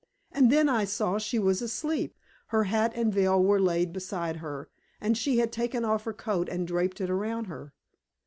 And then I saw she was asleep. Her hat and veil were laid beside her, and she had taken off her coat and draped it around her.